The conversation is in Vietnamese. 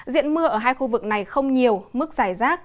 diện mưa ở hai khu vực này không nhiều mức giải rác